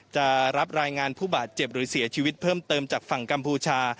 จะรับรายงานผู้บาดเจ็บหรือเสียชีวิตเพิ่มเติมจากฝั่งกัมพูชา